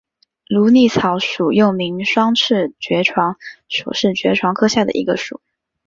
芦莉草属又名双翅爵床属是爵床科下的一个属。